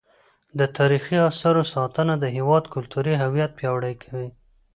د تاریخي اثارو ساتنه د هیواد کلتوري هویت پیاوړی کوي.